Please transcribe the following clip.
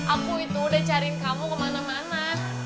aku itu udah cariin kamu kemana mana